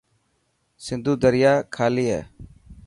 سنڌو دريا خلي هي.